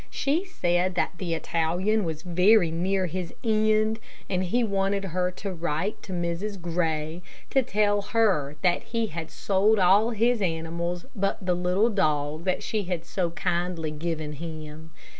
She said that the Italian was very near his end, and he wanted her to write to Mrs. Gray to tell her that he had sold all his animals but the little dog that she had so kindly given him.